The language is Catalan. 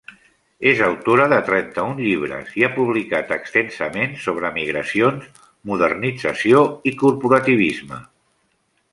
És autora de trenta-un llibres, i ha publicat extensament sobre migracions, modernització i corporativisme.